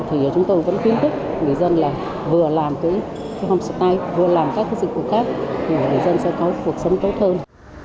thì chúng tôi vẫn khuyến khích người dân là vừa làm cái homestay vừa làm các dịch vụ khác để người dân sẽ có cuộc sống tốt hơn